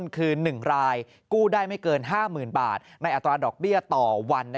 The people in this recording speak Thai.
คือ๑รายกู้ได้ไม่เกิน๕๐๐๐บาทในอัตราดอกเบี้ยต่อวัน